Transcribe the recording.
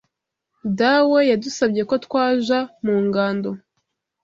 Dawe yadusabye ko twaja mu ngando